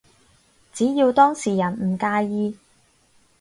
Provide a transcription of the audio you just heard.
只要當事人唔介意